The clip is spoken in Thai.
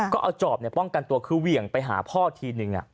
ก็เอาจอบป้องกันตัวคือเหวี่ยงไปหาพ่อทีนึง